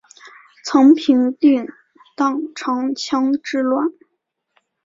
曾平定宕昌羌之乱。